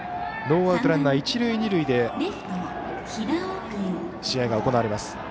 ノーアウトランナー、一塁二塁で試合が行われます。